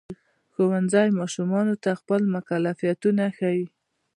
ښوونځی ماشومانو ته خپل مکلفیتونه ښيي.